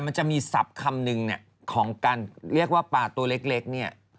มันจะมีศัพท์คำนึงเนี่ยของการเรียกว่าปลาตัวเล็กเนี่ย